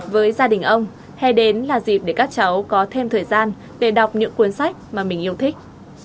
với gia đình ông hay đến là dịp để các cháu có thêm thời gian để đọc những cuốn sách mà mình yêu thích